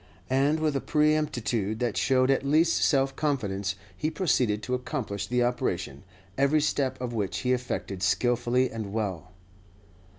And with a promptitude that showed at least self confidence, he proceeded to accomplish the operation, every step of which he effected skilfully and well.